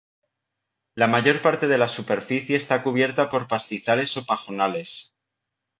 La mayor parte de la superficie está cubierta por pastizales o pajonales.